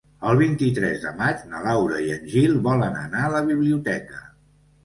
El vint-i-tres de maig na Laura i en Gil volen anar a la biblioteca.